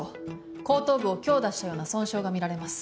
後頭部を強打したような損傷が見られます。